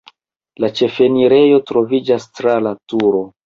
La ĉefenirejo troviĝas tra la turo.